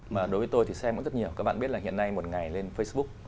mà đối với tôi thì xem rất nhiều các bạn biết là hiện nay một ngày lên facebook